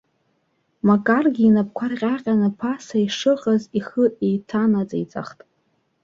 Макаргьы инапкәа рҟьаҟьаны ԥаса ишыҟаз ихы еиҭанаҵеиҵахт.